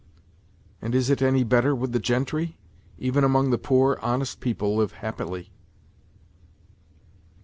" And is it any better with the gentry ? Even among the poor, honest people live happily."